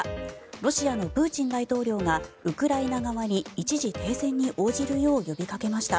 ロシアのプーチン大統領がウクライナ側に一時停戦に応じるよう呼びかけました。